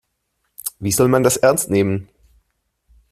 Wie soll man das ernst nehmen?